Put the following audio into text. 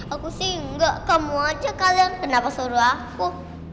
aku sih enggak kamu aja kalian kenapa suruh aku